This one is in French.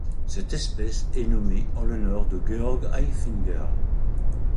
Cette espèce est nommée en l'honneur de Georg Eiffinger.